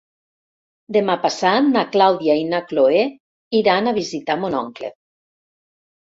Demà passat na Clàudia i na Cloè iran a visitar mon oncle.